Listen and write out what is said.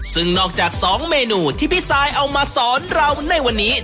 ซึ่งนอกจาก๒เมนูที่พี่ซายเอามาสอนเราในวันนี้